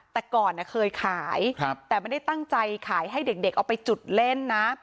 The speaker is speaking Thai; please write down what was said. แต่ก่อนเคยขายแต่ไม่ได้ตั้งใจขายให้เด็กเอาไปจุดเล่นนะ